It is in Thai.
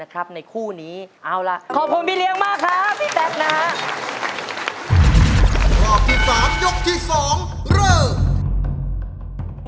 ขอบคุณพี่เรียงมากครับพี่แต๊กนะ